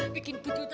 lihat penampilan mami